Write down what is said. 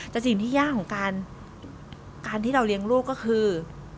แต่สิ่งที่ยากของการที่เราเลี้ยงลูกก็คือ